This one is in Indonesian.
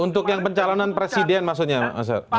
untuk yang pencalonan presiden maksudnya mas arief